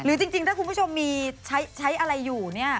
จริงถ้าคุณผู้ชมมีใช้อะไรอยู่เนี่ย